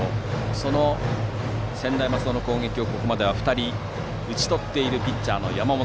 その専大松戸の攻撃をここまで２人打ち取っているピッチャーの山本。